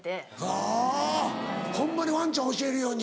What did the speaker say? あぁホンマにワンちゃん教えるように。